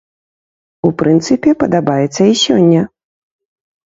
У прынцыпе, падабаецца і сёння.